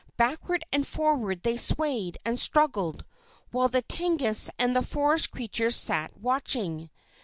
Backward and forward they swayed, and struggled, while the Tengus and the forest creatures sat watching.